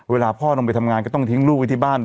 เวลาพ่อลงไปทำงานก็ต้องทิ้งลูกไว้ที่บ้าน